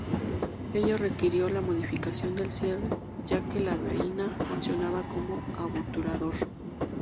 Ello requirió la modificación del cierre, ya que la vaina funcionaba como obturador.